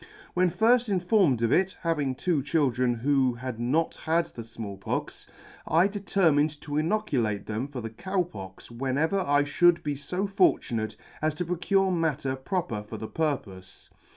When firft informed of it, having two children who had not had the Small Pox, I determined ta inoculate them for the Cow Pox when ever I fhould be fo fortunate as to procure matter proper for the purpofe.